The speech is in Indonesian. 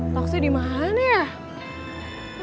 taksi dimana ya